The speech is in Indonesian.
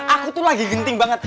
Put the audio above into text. aku tuh lagi genting banget